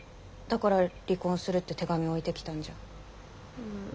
だから「離婚する」って手紙を置いてきたんじゃん。